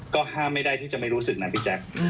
ก็ห้ามไม่ได้ที่จะไม่รู้สึกนะพี่แจ๊ค